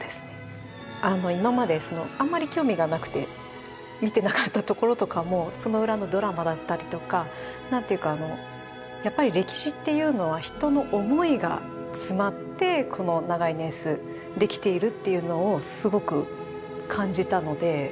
今まであんまり興味がなくて見てなかったところとかもその裏のドラマだったりとか何ていうかやっぱり歴史っていうのは人の思いが詰まってこの長い年数できているっていうのをすごく感じたので。